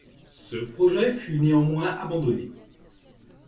Ce projet fut néanmoins abandonné.